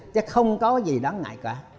chứ không có gì đáng ngại cả